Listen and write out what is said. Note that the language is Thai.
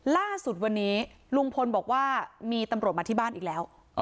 ล่าสุดวันนี้ลุงพลบอกว่ามีตำรวจมาที่บ้านอีกแล้ว